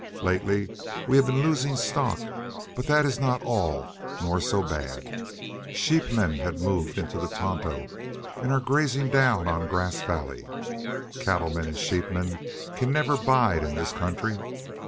Lately we have been losing stock. But that is not all nor so bad. Sheepmen have moved into the Tonto and are grazing down on Grass Vally. Cattlemen and sheepmen can never bide in this country.